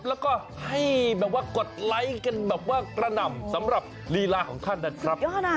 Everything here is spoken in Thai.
แล้วก็ให้แบบว่ากดไลค์กันแบบว่ากระหน่ำสำหรับลีลาของท่านนะครับ